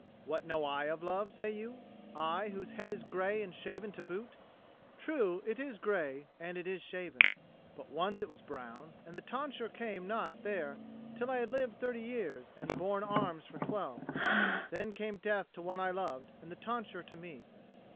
What know I of love, say you I, whose head is grey, and shaven to boot? True, it is grey, and it is shaven. But once it was brown, and the tonsure came not there till I had lived thirty years and borne arms for twelve. Then came death to one I loved, and the tonsure to me.